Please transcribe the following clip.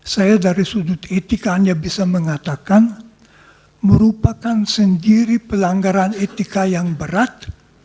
saya dari sudut etika hanya bisa mengatakan merupakan sendiri pelanggaran etika yang berat